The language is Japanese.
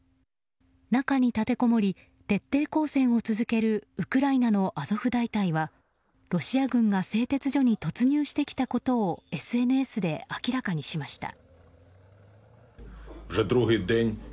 中に立てこもり徹底抗戦を続けるウクライナのアゾフ大隊はロシア軍が製鉄所に突入してきたことをＳＮＳで明らかにしました。